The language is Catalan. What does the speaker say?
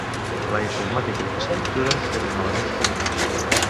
La informàtica i l'escriptura tenen elements comuns.